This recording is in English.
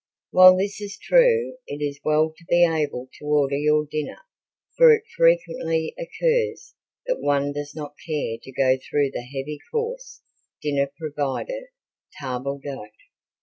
While this is true it is well to be able to order your dinner for it frequently occurs that one does not care to go through the heavy course dinner provided table d'hote.